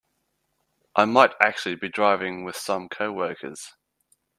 I might actually be driving with some coworkers.